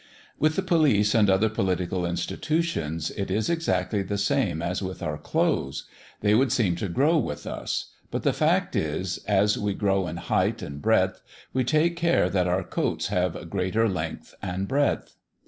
With the police and other political institutions, it is exactly the same as with our clothes. They would seem to grow with us; but the fact is, as we grow in height and breadth we take care that our coats have greater length and width.